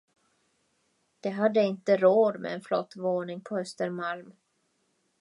De hade inte råd med en flott våning på Östermalm.